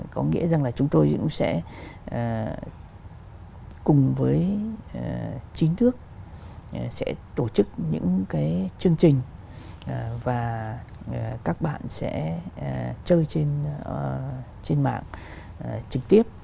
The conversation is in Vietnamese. có nghĩa rằng là chúng tôi cũng sẽ cùng với chính thức sẽ tổ chức những cái chương trình và các bạn sẽ chơi trên mạng trực tiếp